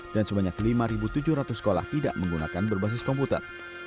sebanyak lima tujuh ratus sekolah tidak menggunakan berbasis komputer